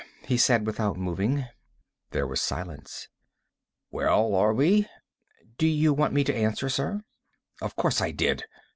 he said without moving. There was silence. "Well, are we?" "Did you want me to answer, sir?" "Of course I did!"